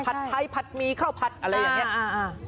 ไทยผัดหมี่ข้าวผัดอะไรอย่างนี้